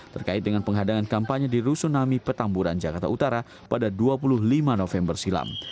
terkait dengan penghadangan kampanye di rusunami petamburan jakarta utara pada dua puluh lima november silam